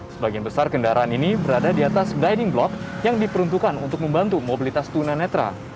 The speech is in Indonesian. sebagian besar kendaraan ini berada di atas dining block yang diperuntukkan untuk membantu mobilitas tunanetra